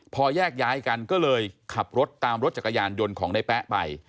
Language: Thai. พอแยกย้ายกันก็เลยขับรถตามรถจักรยานยนต์ของในแป๊ะไป